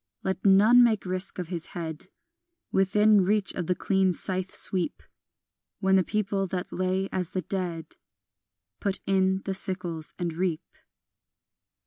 Let none make risk of his head Within reach of the clean scythe sweep, When the people that lay as the dead Put in the sickles and reap.